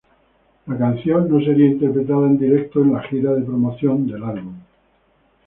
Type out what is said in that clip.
La canción no sería interpretada en directo en la gira de promoción del álbum.